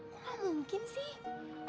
kok ga mungkin sih